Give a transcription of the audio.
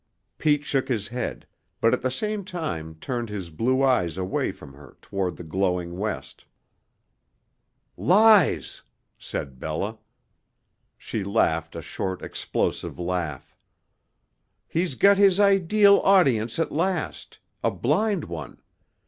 Pete shook his head, but at the same time turned his blue eyes away from her toward the glowing west. "Lies," said Bella. She laughed a short, explosive laugh. "He's got his ideal audience at last a blind one.